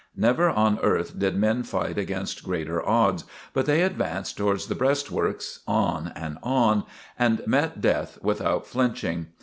Never on earth did men fight against greater odds, but they advanced towards the breastworks, on and on, and met death without flinching.